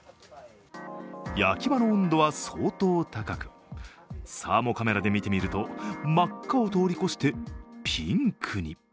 焼き場の温度は相当高く、サーモカメラで見てみると、真っ赤を通り越してピンクに。